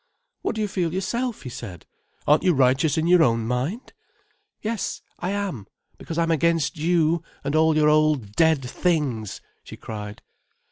"What do you feel yourself?" he said. "Aren't you righteous in your own mind?" "Yes, I am, because I'm against you, and all your old, dead things," she cried.